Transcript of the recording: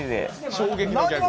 衝撃のギャグ。